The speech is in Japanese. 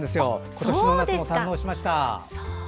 今年の夏も堪能しましたよ。